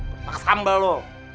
tertak sambal lo